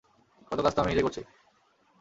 কত কাজ তো আমি নিজেই করছি।